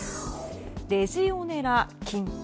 レジオネラ菌。